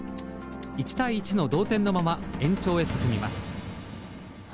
１対１の同点のまま延長へ進みます。